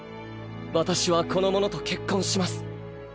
私はこの者と結婚します。